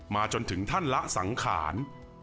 จนถึงท่านละสังขาร